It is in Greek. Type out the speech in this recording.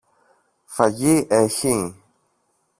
Φαγί έχει;